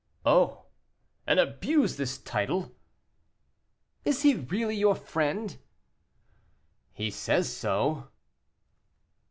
"Oh! and abuse this title!" "Is he really your friend?" "He says so."